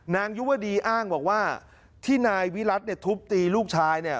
นางยุวดีอ้างบอกว่าที่นายวิรัติเนี่ยทุบตีลูกชายเนี่ย